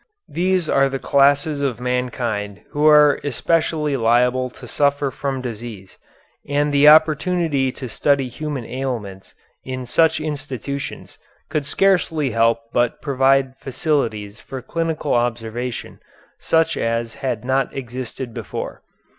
These are the classes of mankind who are especially liable to suffer from disease, and the opportunity to study human ailments in such institutions could scarcely help but provide facilities for clinical observation such as had not existed before.